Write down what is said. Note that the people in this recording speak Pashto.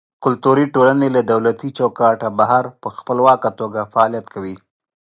کلتوري ټولنې له دولتي چوکاټه بهر په خپلواکه توګه فعالیت کوي.